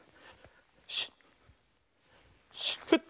シュッシュッフッ！